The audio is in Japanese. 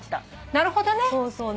なるほど。